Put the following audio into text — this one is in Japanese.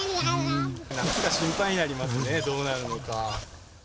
夏が心配になりますね、どうなるのか。